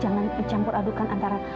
jangan dicampur adukan antara